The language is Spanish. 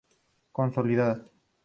consolidas